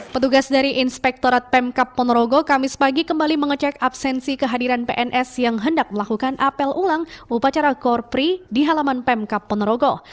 petugas dari inspektorat pemkap ponorogo kamis pagi kembali mengecek absensi kehadiran pns yang hendak melakukan apel ulang upacara korpri di halaman pemkap ponorogo